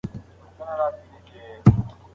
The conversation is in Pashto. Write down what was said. موږ څنګه کولای شو خوشحاله اوسېږو؟